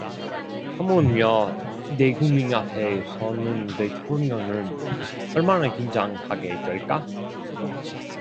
하물며 대국민 앞에 서는 대통령은 얼마나 긴장하게 될까?